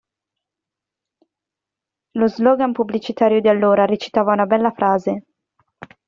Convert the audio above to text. Lo slogan pubblicitario di allora recitava una bella frase.